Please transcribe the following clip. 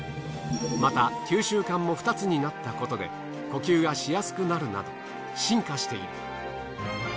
また吸収缶も２つになったことで呼吸がしやすくなるなど進化している。